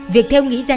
việc thêu nghĩ ra